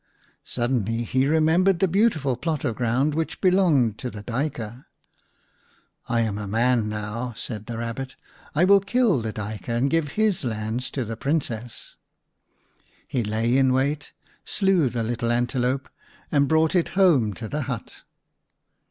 Suddenly he remembered the beautiful plot of ground which belonged to the Duyker. " I am a man now," said the Rabbit. " I will kill the Duyker and give his lands to the Princess." He lay in wait, slew the little antelope, and brought it home to the hut.